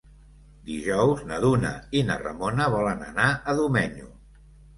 Dijous na Duna i na Ramona volen anar a Domenyo.